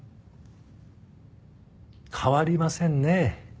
変わりませんね。